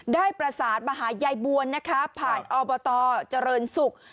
ได้ประสานมาหายายบวนนะคะผ่านอบตเจริญศุกร์